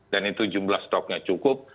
dan itu jumlah stoknya cukup